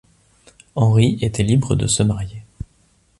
Henry était libre de se marier.